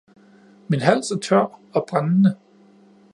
min hals er tør og brændende!